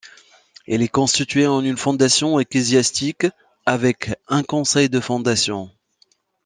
Elle est constituée en une fondation ecclésiastique, avec un Conseil de fondation.